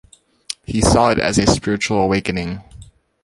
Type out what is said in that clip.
He saw it as a spiritual awakening.